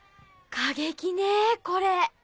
過激ねこれ。